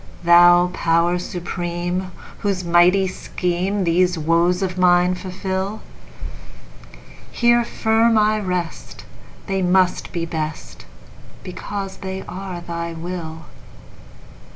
Thou Power Supreme, whose mighty schemeThese woes of mine fulfil, Here firm I rest; they must be best, Because they are Thy will!